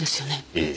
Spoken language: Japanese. ええ。